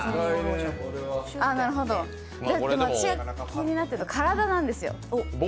私が気になってたのは体なんですよ。